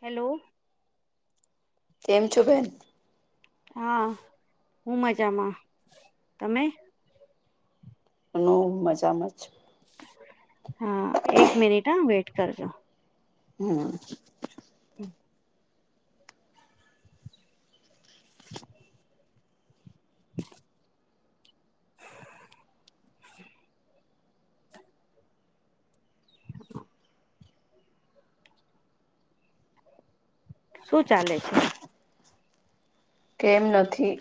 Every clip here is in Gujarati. હેલો. કેમ છો બેન હા હું મજામાં તમે ખૂબ મજામાં છે હા એક મિનિટ હ વેટ કરજો. હમ્મ. હમ્મ. [inaudible] [inaudible] શું ચાલે છે? કેમ નથી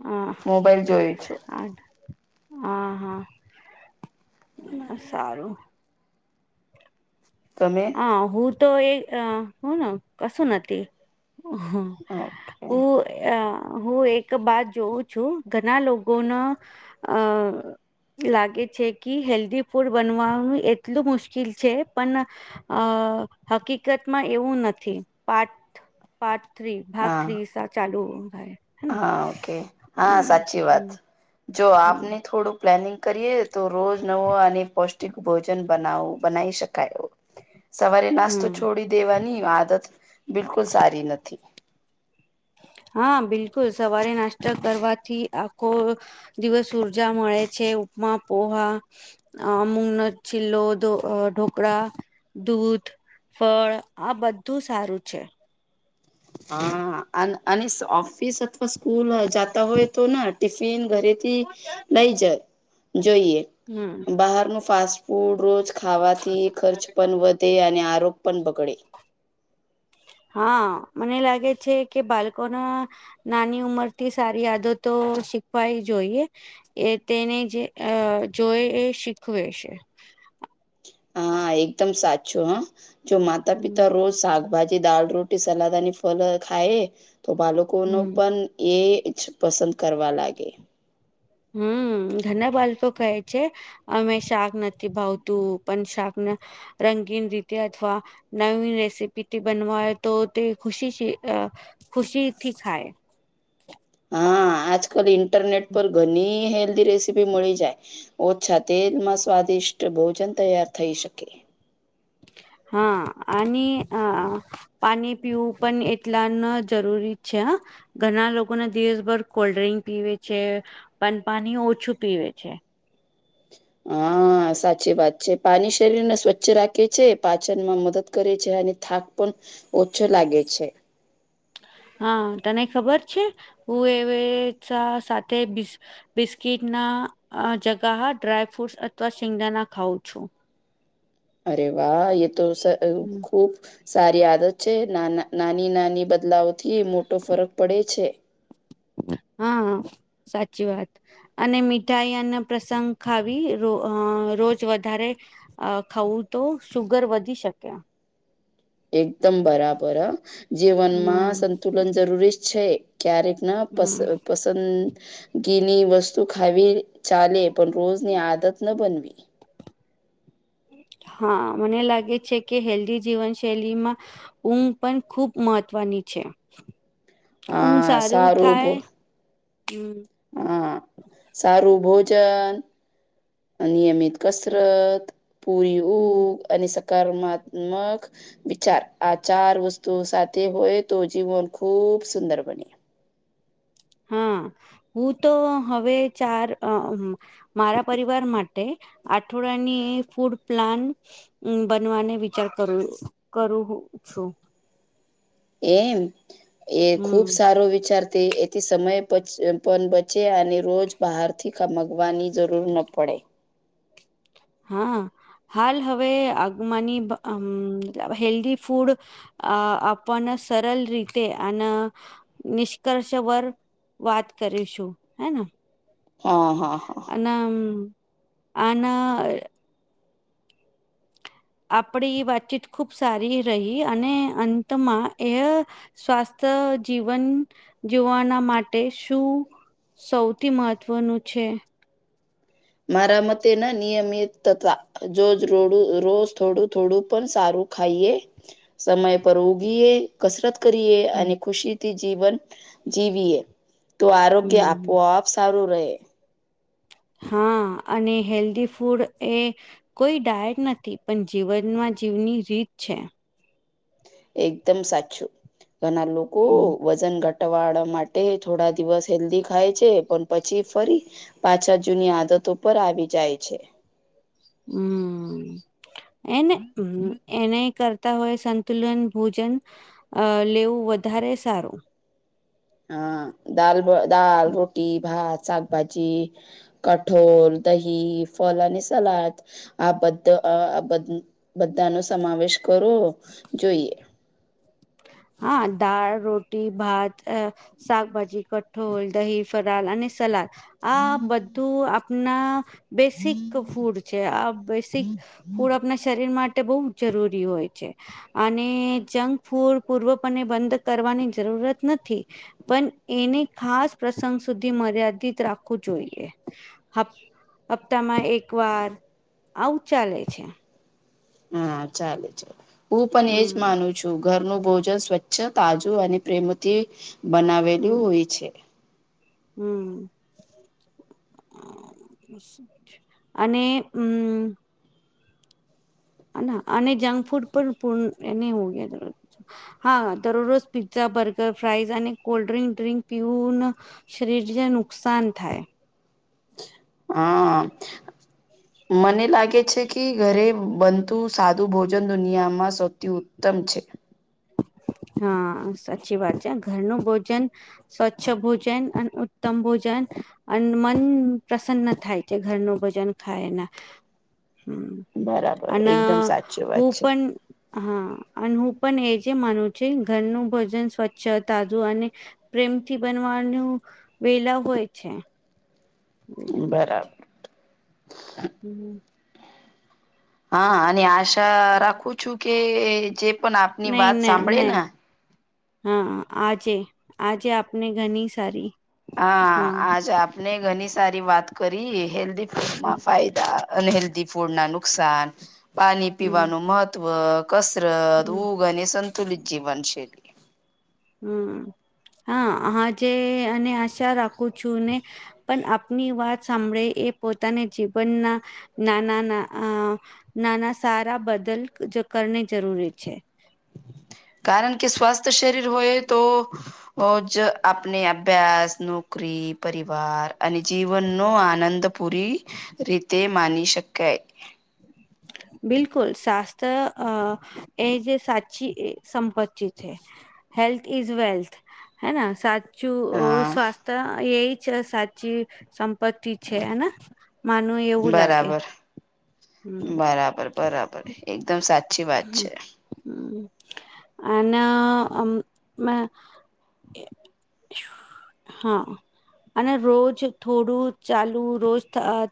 હમ્મ મોબાઈલ જોયું છું આઠ હા હા સારું. તમે હા હું તો એ હું ના કસું નથી હ ઓકે. અ હું એક બાત જોઉં છું ઘણા લોકોનો, અ લાગે છે કે હેલ્ધી ફૂડ બનવાનું એટલું મુશ્કેલ છે પણ અ હકીકતમાં એવું નથી પાઠ પાર્ટ થ્રી ભાગ હા થ્રી સા ચાલુું થાય. હેના હા ઓકે હા હમ સાચી હમ વાત, જો હમ આપને થોડુંક પ્લાનિંગ કરીએ તો રોજ નવો આને પૌષ્ટિક ભોજન બનાવ બનાવી શકાય. [unintelligible] સવારે હમ નાસ્તો છોડી દેવાની આદત બિલકુલ સારી નથી. હા બિલકુલ સવારે નાસ્તા કરવાથી આખો દિવસ ઉર્જા મળે છે ઉપમા પોહા. અમુંકનો છિલ્લો ઢોકરા દૂધ. ફળ આ બધું સારું છે. હા અને ઓફિસ અથવા સ્કૂલ જાતા હોય તો ટિફિન ઘરેથી, લઈ જ જોઈએ હમ બહારનું ફાસ્ટડ ફૂડ રોજ ખાવાથી ખર્ચ પણ વધે અને આરોગ પણ બગડે. હા મને લાગે છે કે બાળકોના. નાની ઉમર થી સારી યાદો તો શીખવાય જોઈએ. એ તેને જે જોઈ એ શીખવે છે. હા એકદમ સાચું હા, જો માતા હમ પિતા રોજ શાકભાજી દાળ રટી સલાદ અને ફલ ખાય, તો બાળકો ન હમ પણ એ જ પસંદ કરવા લાગે. હમ ઘણા બાળપ કહે છે. અમે શાક નથી ભાવતું પણ શાકને, રંગીન રીતે અથવા નવી રેસીપીથી બનવાય તો તે ખુશી ખુશીથી ખાય. હા આજકાલ ઇન્ટરનેટ પર ઘણી હેલ્ધી રેસીપી મળી જાય. ઓછા તેલમાં સ્વાદિષ્ટ ભોજન તૈયાર થઈ શકે. હા અને પાણી પીવું પણ એટલાને જરૂરી છે હ. ઘણા લોકોને દિવસભર કોલ્ડ ડ્રિંક પીવે છે, બન પાાણી ઓછું પીવે છે. હા. હા સાચી વાત છે પાણી શરીરને સ્વચ્છ રાખે છે પાચનમાં મદદ કરે છે અને થાક પણ ઓછો લાગે છે. હા તને ખબર છે, હું એવે સાથે બિસ્કીિટ ના જગા હ ડ્રાય ફ્રૂટસ અથવા શિંગડાાના ખાવં છું. અરે વાહ એ તો હમ, ખૂબ સારી આદત છે નાના નાની નાની બદલાવ થી મોટો ફરક પડે છે. હા સાચી વાત. અને મીઠાઈ અને પ્રસંગ ખાવી રો રોજ વધારે અ ખઉું તો શુગર વધી શકે. એકદમ બરાબર જીવનમાં હમ સંતુલન જરૂરી જ છે. ક્યારેક ના પ હમ. પસંદગીની વસ્તુ ખાવી ચાલે પણ રોજની આદત ન બનવી. હા મને લાગે છે કે હેલ્ધી જીવનશૈલીમાં ઊંઘ પણ ખૂબ મહત્વની છે. હઊ હા સારું ભો થાય હમ. હા સારું ભોજન નિયમિત કસરત પૂરી હમ. ઉઘ અને સકારમાત્મક વિચાર આ ચાર વસ્તુઓ સાથે હોય તો જીવન ખુબ સુંદર બને. હા, હું તો હવે ચાર મારા પરિવાર માટે, આઠવાડની ફૂડ પ્લાન બનવાને વિચાર કરુ કરું છું. એમ એ હમ ખુબ સારો વિચાર તે એથી સમય પણ બચે અને રોજ બહારથી મગવાની જરૂર ન પડે. હા હાલ હવે આગુમાંની હેલ્ધી ફૂડ અ આપણને સરલ રીતે અને નિષ્કર્ષ વર વાત કરીશું હેન? હા-હા-હા. અન આન આપડી વાતચીત ખૂબ સારી રહી અને અંતમાં એ સ્વાસ્થ્ય જીવન જીવના માટે શું? સૌથી મહત્વનું છે. મારા મતે ન નિયમેતતા. રોજ રોડું રોજ થોડું થોડું પણ સારું ખાઈએવ સમય પર ઉગી એ કસરત કરીએ, હમ અને ખુશીથી જીવન જીવીએ. તો આરોગ્ય હમ આપોઆપ સારું રહે. હા અને હેલ્ધી ફૂડ એ કોઈ ડાયર નથી. પણ જીવનમાં જીવની રીત છે. એકદમ સાચું ઘણા લોકો હમ વજન ઘટાવા માટે થોડા દિવસ હેલ્ધી ખાય છે. પણ પછી ફરી પાછા જૂની આદતો પર આવી જાય છે. હમ્મ. એને એને કરતા હોય સંતુલન ભોજન અ લેવું વધારે સારું. હા દાલ, દાલ, રોટી, ભાત, શાકભાજી કઠોલ, દહી, ફલ અને સલાદ આ બધ આ બધા નો સમાવેશ કરવો જોઈએ. હા દાળ, રોટી, ભાત અ શાકભાજી, કઠોળ, દહી, ફરાળ અને સલાદ આ બધું આપણા બેસિક ફૂડ છે આ બેસિક ફૂડ આપણા શરીર માટે બહુ જરૂરી હોય છે. અને જંકફૂડ પૂર્વપને બંધ કરવાની જરૂરત નથી. પણ એને ખાસ પ્રસંગ સુધી મર્યાદિત રાખવું જોઈએ. હપ્તામાં એક વાર આવું ચાલે છે. હા ચાલે ચાલ હું પણ એજ હમ માનું છું. છું ઘરનું ભોજન સ્વચ્છ તાજું અને પ્રેમથી બનાવેલું હોય છે. હમ્મ. અને હમ્મ. અને જંક ફૂડ પણ પૂર્ણ એને હો ગયા જ હા દરરોજ પિઝા બર્ગર ફ્રાઇઝ અને કોલ્ડ ડ્રિંક ડ્રિંક પીવુ ન શરીરને નુકસાન થાય. હા. [inaudible] મને લાગે છે કે ઘરે બનતું સાદું ભોજન દુનિયામાં સૌથી ઉત્તમ છે. હા સાચી વાત છે. ઘરનું ભોજન સ્વચ્છ ભોજન અને ઉત્તમ ભોજન અને મન પ્રસન્ન થાય છે. ઘરનું ભજન ખાયના. હમ્મ બરાબર અને એકદમ સાચી હું વાત છે પણ હા અને હું પણ એજ જે માનવું છે ઘરનું ભોજન સ્વચ્છ તાજુ અને પ્રેમથી બનવાનું વેલા હોય છે. ખરાબ. હમ. હા અને આશા રાખું છું કે જે પણ આપની વાત સાંભળે ને હા આજે આજે આપને ઘણી સારી. હા આજ આપને ઘણી સારી વાત કરી હેલ્ધ હમ ફૂડમાં ફાયદા. અને હેલ્ધ ફૂડ ના નુકસાન પાણી હમ પીવાનું મહત્વ. કસરત, ઊગ અને સંતુલિત જ જીવાન શેલી. હમ હા આજે અને આશા રાખું છું ને પણ આપની વાત સાંભળે એ પોતાને જીવનના નાના નાના સારા બદલ કરને જરૂરી છે. કારણ કે સ્વસ્થ શરીર હોય તો રજ આપણે અભ્યાસ, નોકરી, પરિવાર અને જીવનનો આનંદ પૂરી રીતે માની શકાય. બિલકુલ શાસ્ત્ર એ જે સાચી એ સંપત્તિ છે. હેલ્થ ઇઝ વેલ્થ હે ન સા ચુ હા સ્વાસ્થ્ય એ છે સાચી સંપત્તિ છે હેના માનુંવ એવું લાગે. બરાબર હમ બરાબર બરાબર એકદમ સાચી વાત હ છે. હ અને અમ હા. અને રોજ થોડું ચાલુ રોજ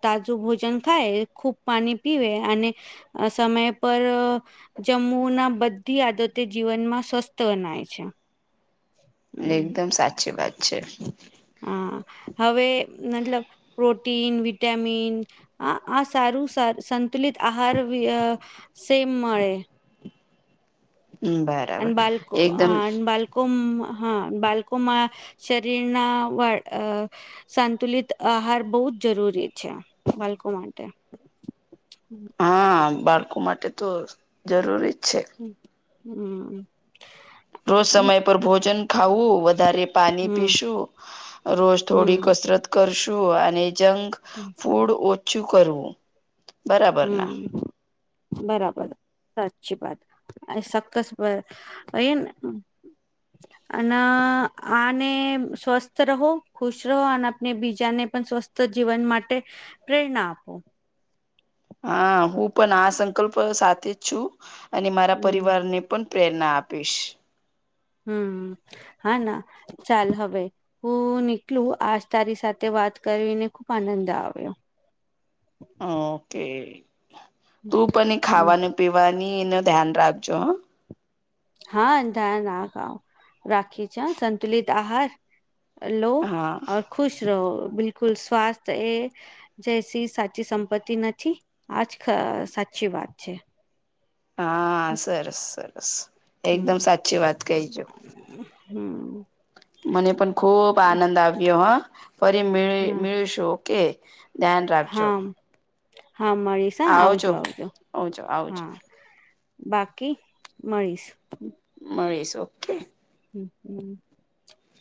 તાજું ભોજન ખાય ખૂબ પાણી પીવે અને સમય પર જમ્મુ ના બધી આદતે જીવનમાં સ્વસ્થ બનાય છે. હમ એકદમ સાચી વાત છે. હા હવે મતલબ પ્રોટીન, વિટામિન આ આ સારું સંતુલિત આહાર વિ સેમ મળે. હમ બાય. અને બાલકો બાલ હા બાલકોમાં શરીરના વાળ અ સાંતુલિત આહાર બહુ જ જરૂરી છે બાળકો માટે હમ હા બાળકો માટે તો જરૂરી જ છે. હ હમ હમ રોજ સમય પર ભોજન ખાવું વધારે પાણી પીશું. રોજ થોડી હમ કસરત કરશું અને જંગ હમ. ફૂડ ઓછું કરવું. બરાબર ના હમ બરાબર સાચચી વાત. અ સક્કસ વ એન અને આને સ્વસ્થ રહો ખુશ રહો અને આપને બીજાને પણ સ્વસ્થ તો જીવન માટે પ્રેરણા આપો. હા હું પણ આ સંકલ્પ સાથે જ છું અને મારા હમ પરિવારને પણ પ્રેરણા આપીશ. હમ હા ના ચાલ હવે હું નીકલું આજ તારી સાથે વાત કરીને ખુબ આનંદ આવ્યો. ઓકે તું પણ એ હમ ખાવાનું પીવાની એ ન ધ્યાન રાખજો હ હા ધ્યાન નાખ રાખી છે સંતુલિત આહાર લો હા ખુશ રહો બિકુલ સ્વાસ્થ એ. જય સિંહ સાચી સંપત્તિ નથી આજ સાચી વાત છે. હા સરસ સરસ એકદમ હમ સાચી વાત કહીજો. હમ. મને પણ ખૂબ આનંદ આવ્યો હ ફરી મેં હા મેળશું ઓકે. ધ્યાન રાખજો હા હા મળીશ હા આવજો આવજો આવજો આવજો હા. બાકી મળીશ. મળીસો. હમ હમ